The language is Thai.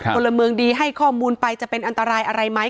พลเมืองดีให้ข้อมูลไปจะเป็นอันตรายอะไรไหม